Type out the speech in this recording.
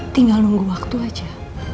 tinggal nunggu waktu aja